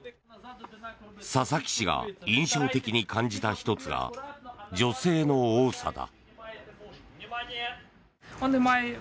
佐々木氏が印象的に感じた１つが女性の多さだ。